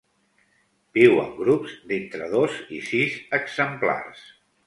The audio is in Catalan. Viu en grups d'entre dos i sis exemplars.